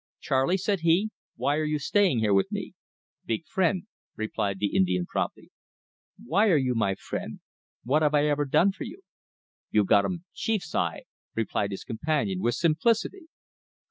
"Charley," said he, "why are you staying here with me?" "Big frien'," replied the Indian promptly. "Why are you my friend? What have I ever done for you?" "You gottum chief's eye," replied his companion with simplicity.